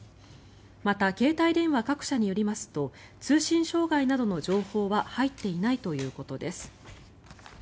また、携帯電話各社によりますと通信障害などの情報は入っていないということです。